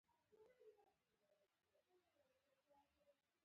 دواړو خواوو توري یو شان نه وو.